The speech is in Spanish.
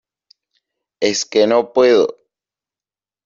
es que no puedo.